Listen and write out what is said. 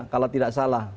kalau tidak salah